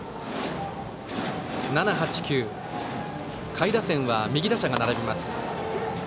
７、８、９下位打線は右打者が並びます。